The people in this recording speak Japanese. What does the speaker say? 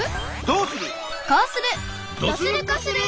どうする！